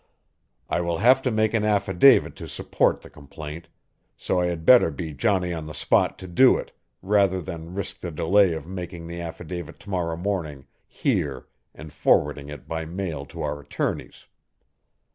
"I will have to make an affidavit to support the complaint, so I had better be Johnny on the spot to do it, rather than risk the delay of making the affidavit tomorrow morning here and forwarding it by mail to our attorneys.